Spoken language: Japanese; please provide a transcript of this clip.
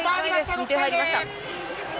２点入りました。